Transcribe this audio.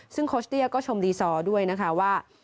ซึ่งโคชเตี้ยก็ชมดีซอร์ด้วยนะคะว่า